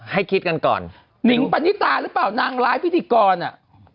ให้คิดกันก่อนหนิงปณิตาหรือเปล่านางร้ายพิธีกรอ่ะ